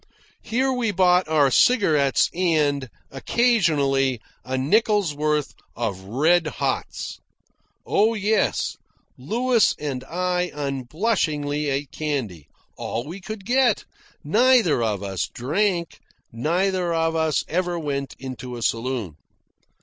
Here we bought our cigarettes, and, occasionally, a nickel's worth of "red hots." (Oh, yes; Louis and I unblushingly ate candy all we could get. Neither of us drank. Neither of us ever went into a saloon.)